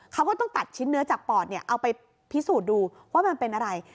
เขาก็ต้องตัดชิ้นเนื้อจากปอดเอาไปพิสูจน์ดูว่ามันเป็นอะไร